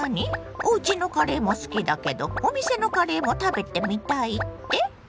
おうちのカレーも好きだけどお店のカレーも食べてみたいって？